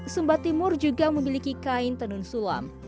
sumba timur juga memiliki kain tenun sulam